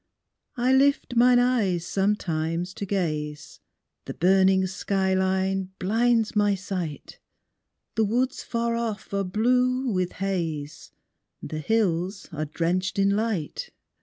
I lift mine eyes sometimes to gaze: The burning sky line blinds my sight: The woods far off are blue with haze: The hills are drenched in light.